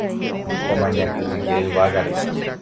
omaña kyhyje yvágare